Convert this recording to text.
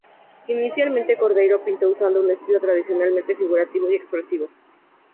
Inicialmente, Cordeiro pintó usando un estilo tradicionalmente figurativo y expresivo.